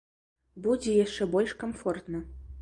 Будзе яшчэ больш камфортна!